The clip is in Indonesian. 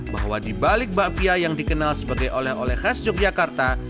bahwa dibalik bakpia yang dikenal sebagai oleh oleh khas yogyakarta